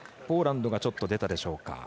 ポーランドがちょっと出たでしょうか。